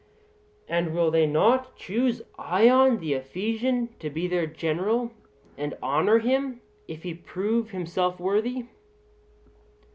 And will they not choose Ion the Ephesian to be their general, and honour him, if he prove himself worthy?